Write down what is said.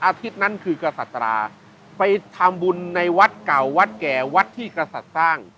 อาทิตย์นั้นคือกษัตราไปทำบุญในวัดเก่าวัดแก่วัดที่กษัตริย์สร้าง